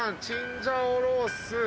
チンジャオロース。